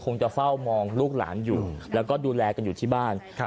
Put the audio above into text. จะเฝ้ามองลูกหลานอยู่แล้วก็ดูแลกันอยู่ที่บ้าน